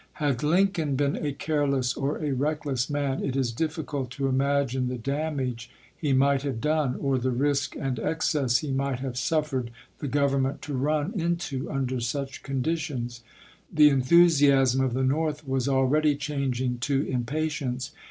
Had Lincoln been a careless or a reckless man, it is difficult to imagine the damage he might have done, or the risk and excess he might have suffered the Government to run into under such conditions. The enthusiasm of the North was already changing to impatience.